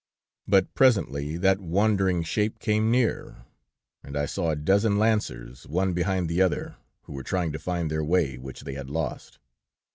But presently that wandering shape came near, and I saw a dozen lancers, one behind the other, who were trying to find their way, which they had lost."